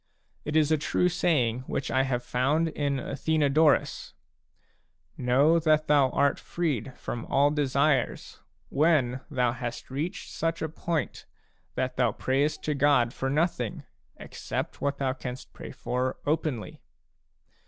It is a true saying which I have found in Athenodorus a :" Know that thou art freed from all desires when thou hast reached such a point that thou prayest to God for nothing except what thou canst pray for openly."